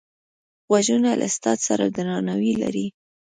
غوږونه له استاد سره درناوی لري